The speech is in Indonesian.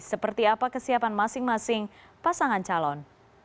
seperti apa kesiapan masing masing pasangan calon